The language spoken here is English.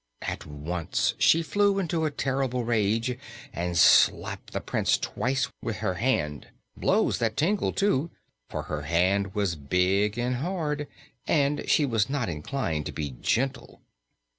At once she flew into a terrible rage and slapped the Prince twice with her hand blows that tingled, too, for her hand was big and hard and she was not inclined to be gentle.